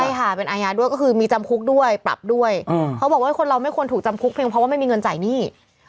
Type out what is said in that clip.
ใช่ค่ะเป็นอาญาด้วยก็คือมีจำคุกด้วยปรับด้วยเขาบอกว่าคนเราไม่ควรถูกจำคุกเพียงเพราะว่าไม่มีเงินจ่ายหนี้